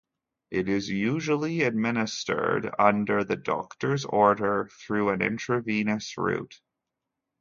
It is usually administered under the doctor's order through an intravenous route.